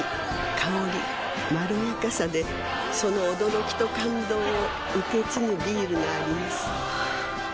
香りまろやかさでその驚きと感動を受け継ぐビールがあります